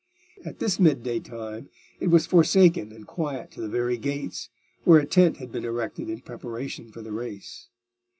At this mid day time it was forsaken and quiet to the very gates, where a tent had been erected in preparation for the race.